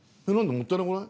もったいなくない？